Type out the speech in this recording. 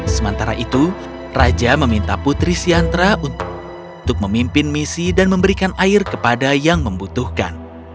sementara itu raja meminta putri siantra untuk memimpin misi dan memberikan air kepada yang membutuhkan